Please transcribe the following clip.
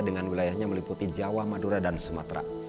dengan wilayahnya meliputi jawa madura dan sumatera